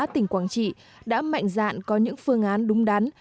tỉnh quảng trị đã mạnh dạn có những phương án đúng đắn